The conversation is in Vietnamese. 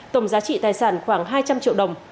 tổng giá trị tài sản khoảng hai trăm linh triệu đồng